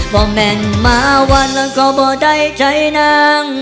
บอกแม่งมาวันแล้วก็บอกได้ใจน้อง